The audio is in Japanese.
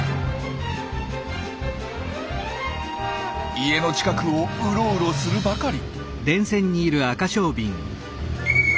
家の近くをウロウロするばかり。